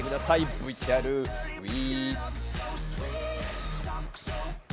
ＶＴＲＷＥ！